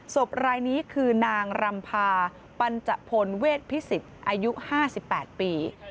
ศพรายนี้คือนางรำพาปัญจพลเวทพิสิทธิ์อายุ๕๘ปี